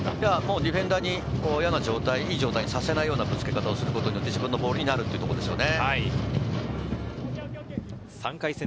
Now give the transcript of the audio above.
ディフェンダーに嫌な状態、いい状態にさせないようなぶつけた方をすることによって自分のボールになるということですね。